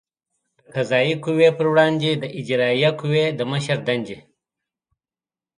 د قضایه قوې پر وړاندې د اجرایه قوې د مشر دندې